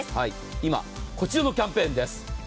今、こちらもキャンペーンです。